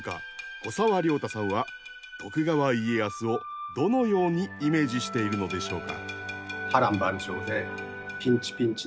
古沢良太さんは徳川家康をどのようにイメージしているのでしょうか？